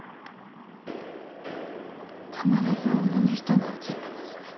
必ず女の人が写ってますね。